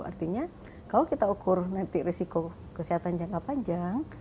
artinya kalau kita ukur nanti risiko kesehatan jangka panjang